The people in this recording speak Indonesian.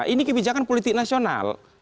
ini kebijakan politik nasional